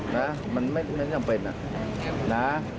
นั่นเหมือนจำเป็น